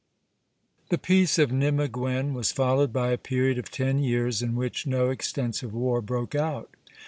The Peace of Nimeguen was followed by a period of ten years in which no extensive war broke out.